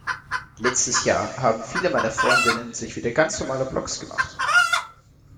Letztes Jahr haben viele meiner Freundinnen sich wieder ganz normale Blogs gemacht.